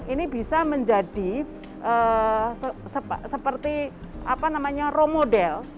ini bisa menjadi seperti apa namanya role model